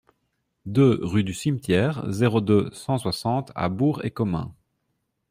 deux rue du Cimetière, zéro deux, cent soixante à Bourg-et-Comin